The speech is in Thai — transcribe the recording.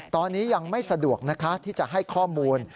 ตอนนี้ยังไม่สะดวกนะคะที่จะให้ข้อมูล